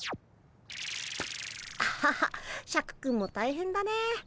ハハシャクくんも大変だね。